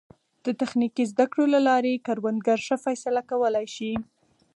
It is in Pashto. د تخنیکي زده کړو له لارې کروندګر ښه فیصله کولی شي.